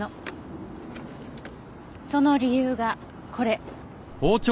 その理由がこれ。